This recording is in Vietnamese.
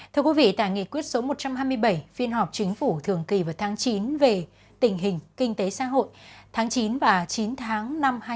thưa quý vị tại nghị quyết số một trăm hai mươi bảy phiên họp chính phủ thường kỳ vào tháng chín về tình hình kinh tế xã hội tháng chín và chín tháng năm hai nghìn hai mươi ba